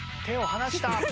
手を離した。